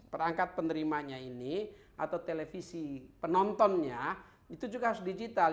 perangkat penerimanya ini atau televisi penontonnya itu juga harus digital